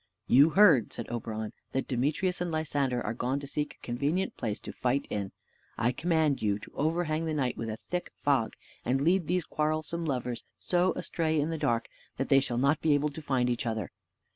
"You heard," said Oberon, "that Demetrius and Lysander are gone to seek a convenient place to fight in. I command you to overhang the night with a thick fog, and lead these quarrelsome lovers so astray in the dark, that they shall not be able to find each other.